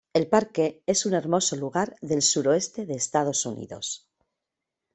El parque es un hermoso lugar del suroeste de Estados Unidos.